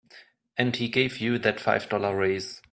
And he gave you that five dollar raise.